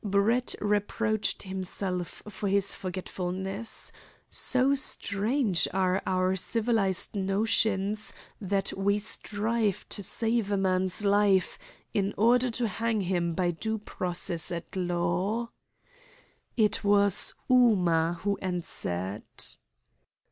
Brett reproached himself for his forgetfulness. So strange are our civilised notions that we strive to save a man's life in order to hang him by due process at law. It was Ooma who answered.